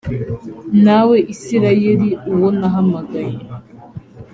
nawe isirayeli uwo nahamagaye